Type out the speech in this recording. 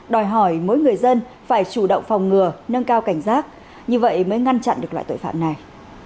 đòi hỏi mỗi người dân phải chủ động phòng ngừa nâng cao cảnh giác như vậy mới ngăn chặn được loại tội phạm này